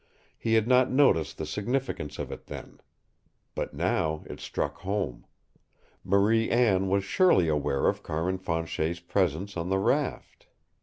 He had not noticed the significance of it then. But now it struck home. Marie Anne was surely aware of Carmin Fanchet's presence on the raft.